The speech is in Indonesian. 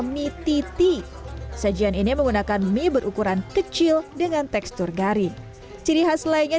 mititi sajian ini menggunakan mie berukuran kecil dengan tekstur gari ciri khas lainnya